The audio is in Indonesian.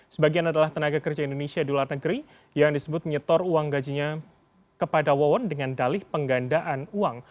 sebagian adalah tenaga kerja indonesia di luar negeri yang disebut menyetor uang gajinya kepada wawon dengan dalih penggandaan uang